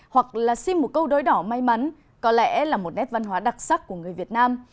hoặc là xin một câu đối đỏ may mắn có lẽ là một nét văn hóa đặc sắc của người việt nam